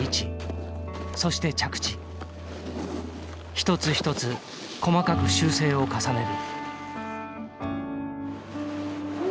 一つ一つ細かく修正を重ねる。